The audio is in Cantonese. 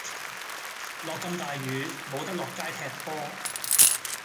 落咁大雨，無得落街踢波。